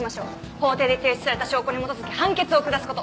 法廷で提出された証拠に基づき判決を下すこと。